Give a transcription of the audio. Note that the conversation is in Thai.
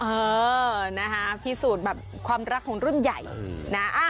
เออนะคะพิสูจน์แบบความรักของรุ่นใหญ่นะ